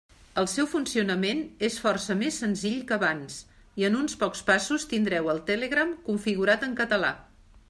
El seu funcionament és força més senzill que abans i en uns pocs passos tindreu el Telegram configurat en català.